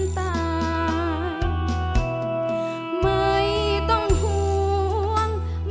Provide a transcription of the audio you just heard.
เพลงที่สองเพลงมาครับ